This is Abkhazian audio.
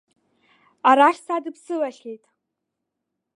Арахь садыԥсылахьеит.